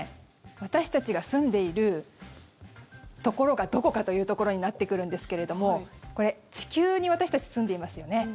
私たちが住んでいるところがどこかというところになってくるんですけれどもこれ、地球に私たち、住んでいますよね。